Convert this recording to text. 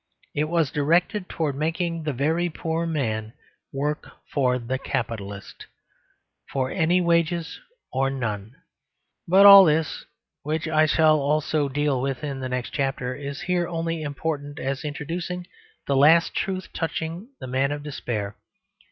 It was directed towards making the very poor man work for the capitalist, for any wages or none. But all this, which I shall also deal with in the next chapter, is here only important as introducing the last truth touching the man of despair.